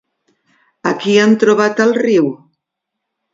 A qui han trobat al riu?